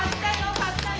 勝ったよ。